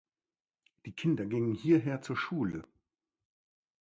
Die Kinder gingen hierher zur Schule.